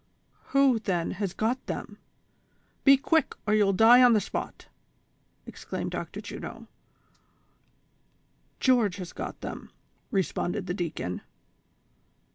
" Who, then, has got them ? Be quick, or you'll die on the spot," exclaimed Dr. Juno. " George has got them," responded the deacon.